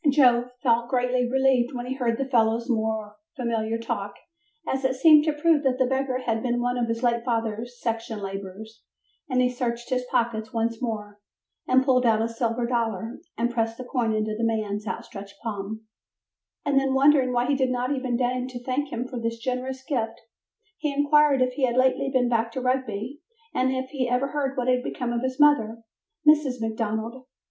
"] Joe felt greatly relieved when he heard the fellow's more familiar talk, as it seemed to prove that the beggar had been one of his late father's section laborers, and he searched his pockets once more and pulled out a silver dollar and pressed the coin into the man's outstretched palm, and then, wondering why he did not even deign to thank him for this generous gift he inquired if he had lately been back to Rugby, and if he ever heard what had become of his mother, Mrs. McDonald.